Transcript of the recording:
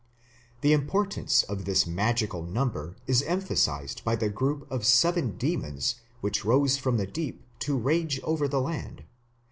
The importance of this magical number is emphasized by the group of seven demons which rose from the deep to rage over the land (p.